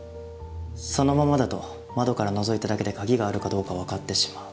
そのままだと窓からのぞいただけで鍵があるかどうかわかってしまう。